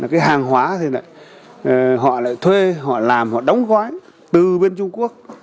cái hàng hóa thì lại họ lại thuê họ làm họ đóng gói từ bên trung quốc